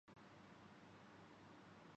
انقلاب توچند ہزارافراد اور چندسو گز تک محدود تھا۔